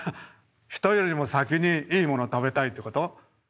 人よりも先にいいもの食べたいってこと？